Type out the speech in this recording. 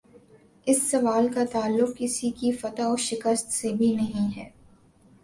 اس سوال کا تعلق کسی کی فتح و شکست سے بھی نہیں ہے۔